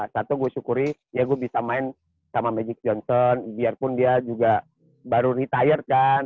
satu gue syukuri ya gue bisa main sama magic johnson biarpun dia juga baru retire kan